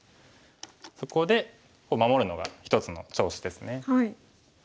そこで守るのが一つの調子ですね。